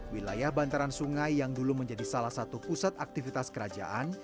wilayah bantaran sungai yang dulu menjadi salah satu pusat aktivitas kerajaan